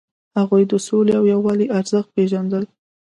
هغوی د سولې او یووالي ارزښت پیژندل.